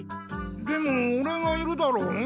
でもオレがいるだろう？